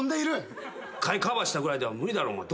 カバーしたぐらいでは無理だろうお前。